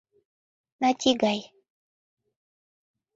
Нати гай.